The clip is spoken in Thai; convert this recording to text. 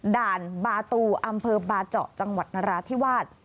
ด่านบาตูอำเภอบาเจาะจังหวัดนราธิวาส